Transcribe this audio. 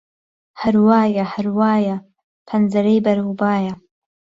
ههر وایه ههروایه پهنجهرهی بهرهو بایه